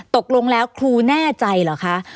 ตกลงแล้วครูแน่ใจเหรอคะ